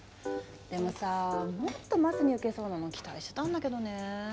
でもさあもっとマスに受けそうなの期待してたんだけどねえ。